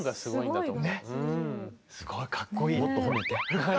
すごいかっこいい。